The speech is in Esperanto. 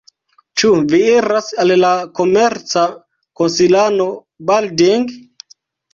Ĉu vi iras al la komerca konsilano Balding?